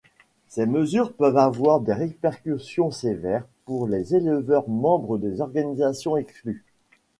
Ces mesures peuvent avoir des répercussions sévères pour les éleveurs membres des organisations exclues.